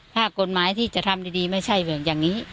ถ้ากฎหมายที่จะทำดีไม่ใช่แบบอย่างนี้